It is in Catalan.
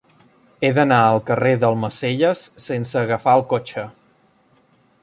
He d'anar al carrer d'Almacelles sense agafar el cotxe.